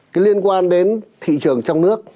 cái liên quan đến thị trường trong nước